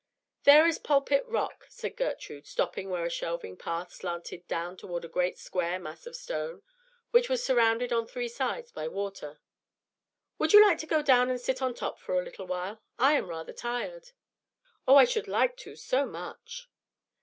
"There is Pulpit Rock," said Gertrude, stopping where a shelving path slanted down toward a great square mass of stone, which was surrounded on three sides by water. "Would you like to go down and sit on top for a little while? I am rather tired." "Oh, I should like to so much."